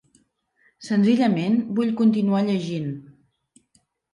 Senzillament, vull continuar llegint.